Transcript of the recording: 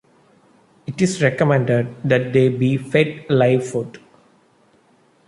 It is recommended that they be fed live food.